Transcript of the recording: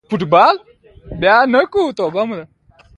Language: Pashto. د برټانیې پازیټویسټ ګوند اعلامیه د یادولو ده.